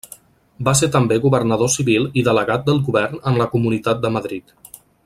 Va ser també governador civil i delegat del Govern en la comunitat de Madrid.